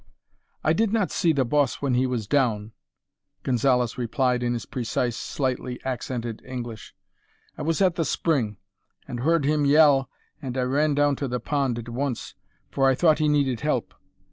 "I did not see the boss when he was down," Gonzalez replied in his precise, slightly accented English. "I was at the spring and heard him yell and I ran down to the pond at once, for I thought he needed help.